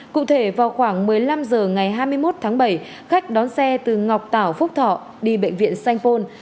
cụ thể vào khoảng một mươi năm h ngày hai mươi một tháng bảy khách đón xe từ ngọc tảo phúc thọ đi bệnh viện sanh phôn